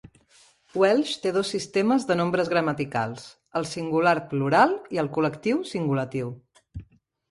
Welsh té dos sistemes de nombres gramaticals: el singular-plural i el col·lectiu-singulatiu.